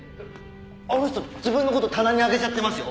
あの人自分の事棚に上げちゃってますよ。